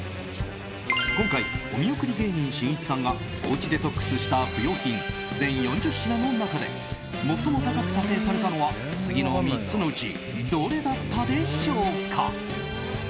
今回お見送り芸人しんいちさんがおうちデトックスした不要品、全４０品の中で最も高く査定されたのは次の３つのうちどれだったでしょうか。